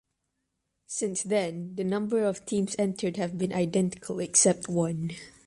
Since then, the numbers of teams entered have been identical except once.